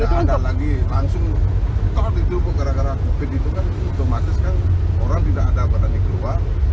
ketika di jepang gara gara covid itu kan otomatis kan orang tidak ada berani keluar